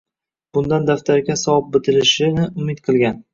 bundan daftariga savob bitilishini umid qilgan